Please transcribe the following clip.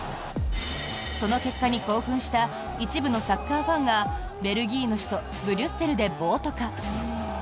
その結果に興奮した一部のサッカーファンがベルギーの首都ブリュッセルで暴徒化。